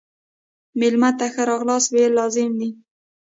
مېلمه ته ښه راغلاست ویل لازم دي.